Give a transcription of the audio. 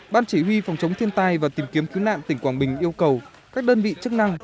ban chỉ huy phòng chống thiên tai và tìm kiếm cứu nạn tỉnh quảng bình yêu cầu các đơn vị chức năng